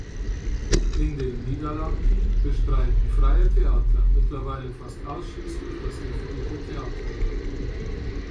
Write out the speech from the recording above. In den Niederlanden bestreiten Freie Theater mittlerweile fast ausschließlich das öffentliche Theaterleben.